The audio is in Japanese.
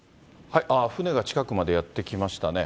船が近くまでやって来ましたね。